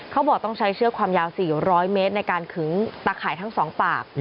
เขาบอกต้องใช้เชือกความยาวสี่หรือร้อยเมตรในการขึ้นตาข่ายทั้งสองปาก